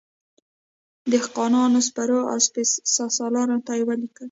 دهقانانو، سپرو او سپه سالارانو ته یې ولیکل.